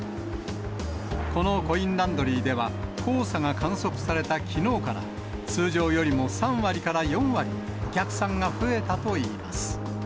このコインランドリーでは、黄砂が観測されたきのうから、通常よりも３割から４割、お客さんが増えたといいます。